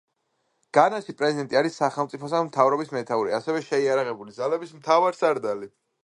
განაში პრეზიდენტი არის სახელმწიფოსა და მთავრობის მეთაური, ასევე შეიარაღებული ძალების მთავარსარდალი.